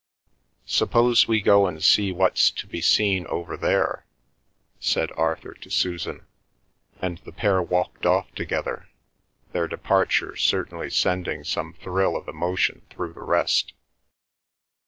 "Suppose we go and see what's to be seen over there?" said Arthur to Susan, and the pair walked off together, their departure certainly sending some thrill of emotion through the rest.